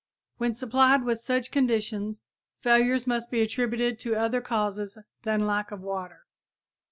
When supplied with such conditions, failures must be attributed to other causes than lack of water.